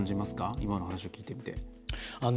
今の話を聞いてみて。